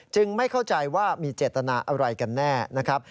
ไม่เข้าใจว่ามีเจตนาอะไรกันแน่นะครับ